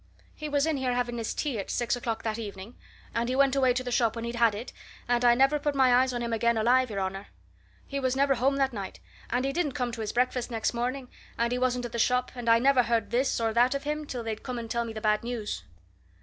"He was in here having his tea at six o'clock that evening, and he went away to the shop when he'd had it, and I never put my eyes on him again, alive, your honour. He was never home that night, and he didn't come to his breakfast next morning, and he wasn't at the shop and I never heard this or that of him till they come and tell me the bad news."